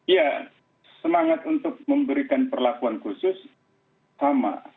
ya semangat untuk memberikan perlakuan khusus sama